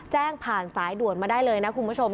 แจ้งผ่านสายด่วนมาได้เลยนะคุณผู้ชม